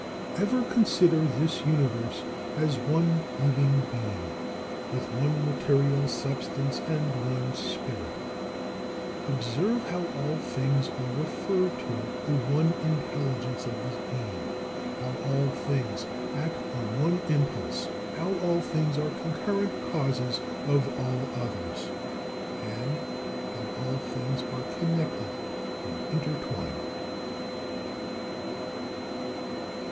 40. Ever consider this Universe as one living being, with one material substance and one spirit. Observe how all things are referred to the one intelligence of this being; how all things act on one impulse; how all things are concurrent causes of all others; and how all things are connected and intertwined.